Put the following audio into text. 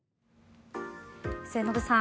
末延さん